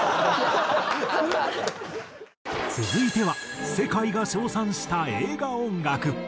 続いては世界が称賛した映画音楽。